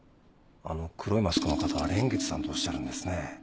あの黒いマスクの方は蓮月さんとおっしゃるんですね。